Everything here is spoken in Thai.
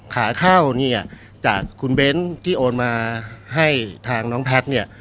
ขาเข้าเนี่ยจากคุณเบ้นที่โอนมาให้ทางน้องแพทย์เนี่ย